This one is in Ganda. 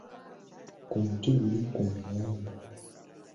Ku muti guli kwe ŋŋamba.